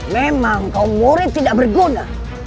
memang kaum murid tidak berguna